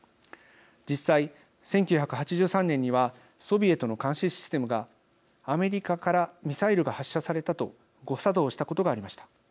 実際、１９８３年にはソビエトの監視システムがアメリカからミサイルが発射されたと誤作動したことがありました。